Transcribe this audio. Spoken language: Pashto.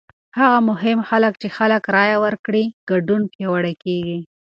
هغه مهال چې خلک رایه ورکړي، ګډون پیاوړی کېږي.